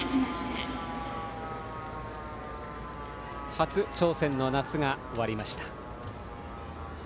初挑戦の夏が終わりました。